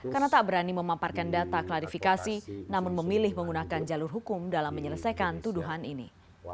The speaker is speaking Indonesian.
karena tak berani memamparkan data klarifikasi namun memilih menggunakan jalur hukum dalam menyelesaikan tuduhan ini